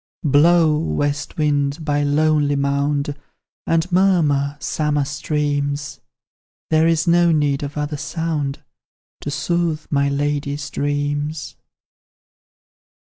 Blow, west wind, by the lonely mound, And murmur, summer streams There is no need of other sound To soothe my lady's dreams.